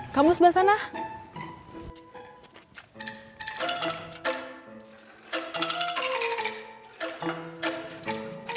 kamu sebelah sana